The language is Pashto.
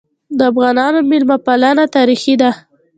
د افغانانو مېلمه پالنه تاریخي ده.